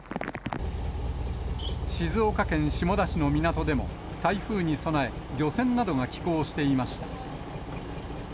静岡県下田市の港でも、台風に備え、漁船などが帰港していました。